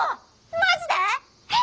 マジで⁉え！